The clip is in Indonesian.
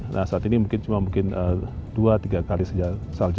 nah saat ini mungkin cuma mungkin dua tiga kali saja